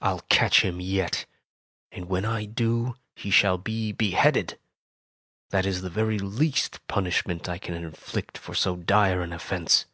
I'll catch him yet, and when I do he shall be beheaded. That is the very least punishment I can inflict for so dire an offense."